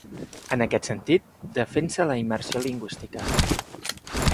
En aquest sentit, defensa la immersió lingüística.